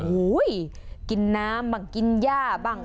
โอ้โหกินน้ำบ้างกินย่าบ้าง